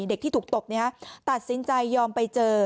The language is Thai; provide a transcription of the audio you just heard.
เด็กที่ถูกตบตัดสินใจยอมไปเจอ